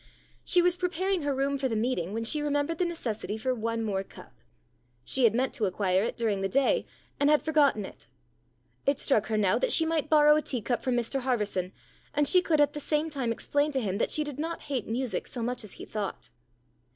She was preparing her room for the meeting when she remembered the necessity for one more cup. She had meant to acquire it during the day, and had forgotten it. It struck her now that she might borrow a tea cup from Mr Harverson, and she could at the same time explain to him that she did not hate music so much as he thought.